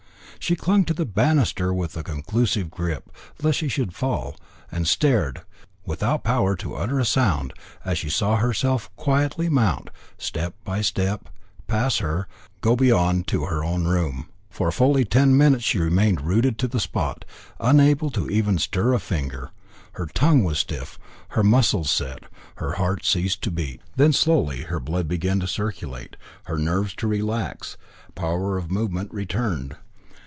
She clung to the banister, with convulsive grip, lest she should fall, and stared, without power to utter a sound, as she saw herself quietly mount, step by step, pass her, go beyond to her own room. For fully ten minutes she remained rooted to the spot, unable to stir even a finger. Her tongue was stiff, her muscles set, her heart ceased to beat. Then slowly her blood began again to circulate, her nerves to relax, power of movement returned.